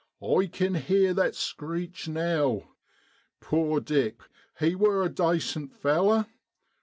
I kin heer that screech now ! Poor Dick ! he wor a dacent fellow.